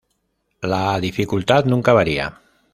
La dificultad nunca varía.